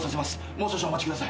もう少々お待ちください。